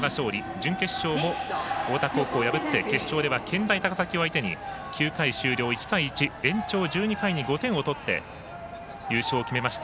準決勝も太田高校を破って甲子園では健大高崎を相手に９回終了１対１、延長１２回に５点を取って優勝を決めました。